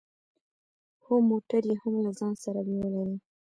هو موټر يې هم له ځان سره بيولی دی.